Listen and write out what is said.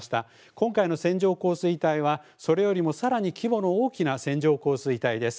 今回の線状降水帯は、それよりもさらに規模の大きな線状降水帯です。